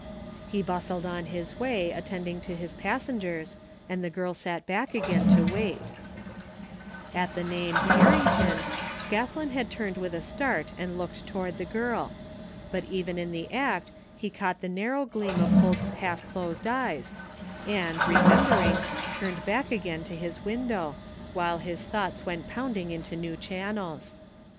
He bustled on his way attending to his passengers and the girl sat back again to wait At the name " Harrington " Scathlin had turned with a start and looked toward the girl; but even in the act he caught the narrow gleam of Holt's half closed eyes, and, remembering, turned back again to his window while his thoughts went pounding into new channels.